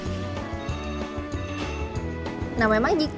kue sus ini juga banyak dipakai sebagai makanan untuk ikhlaq